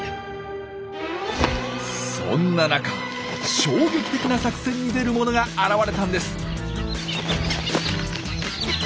そんな中衝撃的な作戦に出るものが現れたんです。